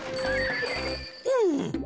うん！